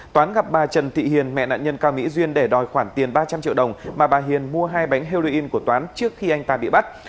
toán gặp bà trần thị hiền mẹ nạn nhân cao mỹ duyên để đòi khoản tiền ba trăm linh triệu đồng mà bà hiền mua hai bánh heroin của toán trước khi anh ta bị bắt